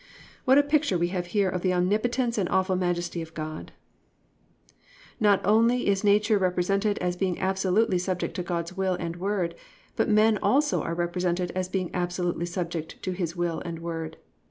"+ What a picture we have here of the omnipotence and awful majesty of God! Not only is nature represented as being absolutely subject to God's will and word, but men also are represented as being absolutely subject to His will and word.